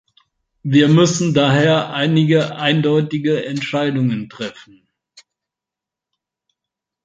Wir müssen daher einige eindeutige Entscheidungen treffen.